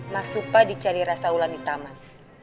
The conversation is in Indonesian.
masupah dicari rasa ulan di taman